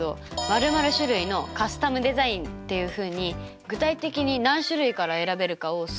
○○種類のカスタムデザイン！」っていうふうに具体的に何種類から選べるかを数字を入れてみたらどうですか？